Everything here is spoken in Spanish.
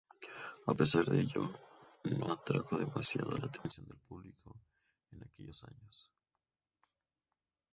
A pesar de ello, no atrajo demasiado la atención del público en aquellos años.